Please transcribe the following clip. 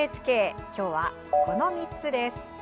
きょうは、この３つです。